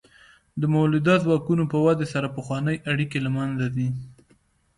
د مؤلده ځواکونو په ودې سره پخوانۍ اړیکې له منځه ځي.